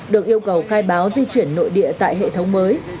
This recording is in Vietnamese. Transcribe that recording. được yêu cầu khai báo di chuyển nội địa tại hệ thống mới